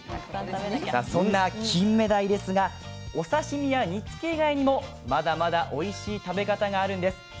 さあそんなキンメダイですがお刺身や煮つけ以外にもまだまだおいしい食べ方があるんです。